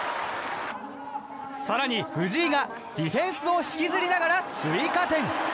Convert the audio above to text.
更に藤井が、ディフェンスを引きずりながら追加点。